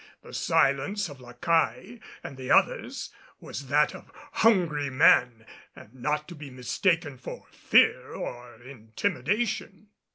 The silence of La Caille and the others was that of hungry men and not to be mistaken for fear or intimidation.